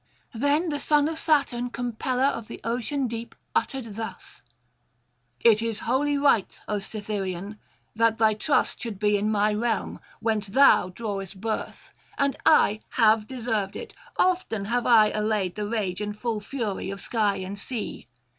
Then the son of Saturn, compeller of the ocean deep, uttered thus: 'It is wholly right, O Cytherean, that thy trust should be in my realm, whence thou drawest birth; and I have deserved it: often have I allayed the rage and full fury of sky and sea.